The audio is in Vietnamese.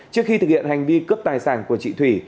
trước khi thực hiện hành vi cướp tài sản của chị thủy